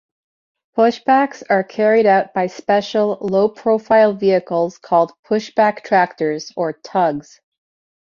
Pushbacks are carried out by special, low-profile vehicles called "pushback tractors" or "tugs".